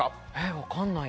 分かんない。